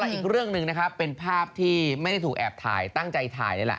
อีกเรื่องหนึ่งนะครับเป็นภาพที่ไม่ได้ถูกแอบถ่ายตั้งใจถ่ายเลยล่ะ